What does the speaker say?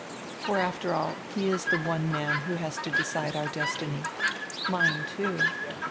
For after all he is tire one man who has to decide our destiny. Mine, too.